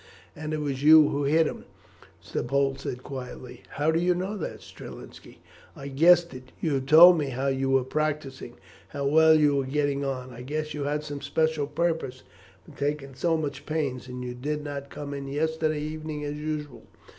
"And it was you who hit him," the Pole said quietly. "How do you know that, Strelinski?" "I guessed it. You have told me how you were practising, and how well you were getting on. I guessed you had some special purpose for taking so much pains, and you did not come in yesterday evening as usual.